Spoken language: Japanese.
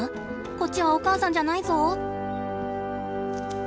こっちはお母さんじゃないぞ。